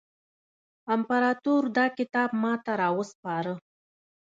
امپراطور دا کتاب ماته را وسپاره.